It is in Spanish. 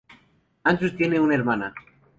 Andrew tiene una hermana.